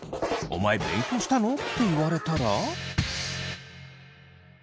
お前勉強したの？って言われたら。